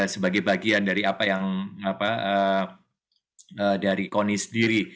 sebagai bagian dari apa yang dari koni sendiri